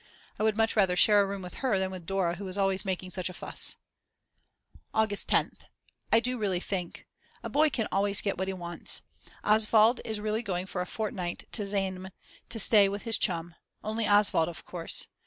I would much rather share a room with her than with Dora who is always making such a fuss. August 10th. I do really think! A boy can always get what he wants. Oswald is really going for a fortnight to Znaim to stay with his chum; only Oswald of course.